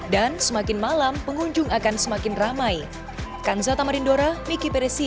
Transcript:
dan semakin malam pengunjung akan semakin banyak